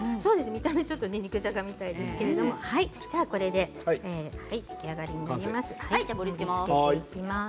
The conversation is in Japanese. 見た目肉じゃがみたいですけれどもこれで完成になります。